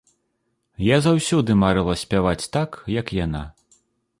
Я заўсёды марыла спяваць так, як яна.